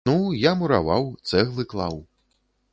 Ну, я мураваў, цэглы клаў.